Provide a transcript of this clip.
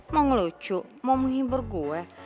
mau ngelucu mau menghibur gue